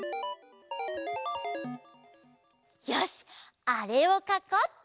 よしあれをかこうっと！